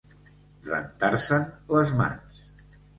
Rentar-se'n les mans.